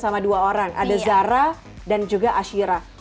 sama dua orang ada zara dan juga ashira